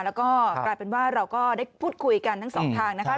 แล้วก็กลายเป็นว่าเราก็ได้พูดคุยกันทั้งสองทางนะคะ